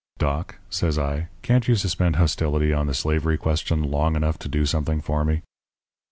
Doc,' says I, 'can't you suspend hostility on the slavery question long enough to do something for me?'